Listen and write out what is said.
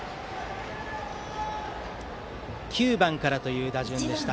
９番からという打順でした。